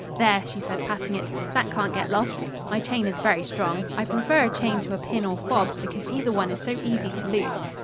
"There," she said, patting it, "that can't get lost. My chain is very strong. I prefer a chain to a pin or fob, because either one is so easy to lose."